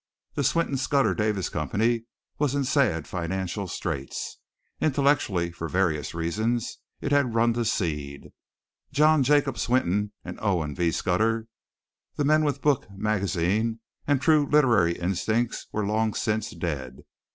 The Swinton Scudder Davis Company was in sad financial straits. Intellectually, for various reasons, it had run to seed. John Jacob Swinton and Owen V. Scudder, the men with book, magazine and true literary instincts, were long since dead.